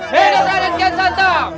hidup raden kian santang